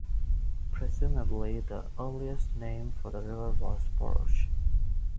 Presumably the earliest name for the river was Boruch.